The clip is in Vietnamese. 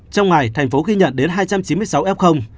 trong ngày thành phố ghi nhận đến hai trăm chín mươi sáu ép không